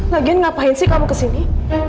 lagian ngapain sih kamu kesini